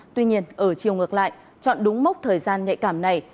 tuy nhiên ở chiều ngược lại chọn đúng mốc thời gian nhạy cảm này